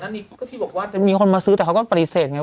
ก็ที่บอกว่ามีคนมาซื้อแต่เขาก็ปฏิเสธไง